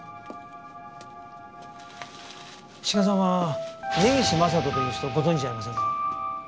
志賀さんは根岸正人という人ご存じありませんか？